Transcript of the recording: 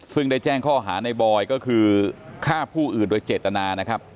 ซึ่งได้แจ้งข้อหาในบอยก็คือฆ่าผู้อื่นโดยเจตนานะครับ